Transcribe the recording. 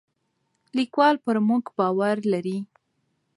لیکوال پر موږ باور لري.